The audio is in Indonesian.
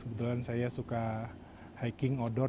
kebetulan saya suka hiking outdoor